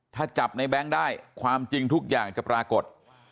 ถ้าจับในแบงค์ได้ความจริงทุกอย่างจะปรากฏ